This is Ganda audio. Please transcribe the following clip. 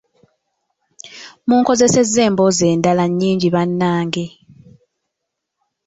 Munkozesezza emboozi endala nnyingi bannange.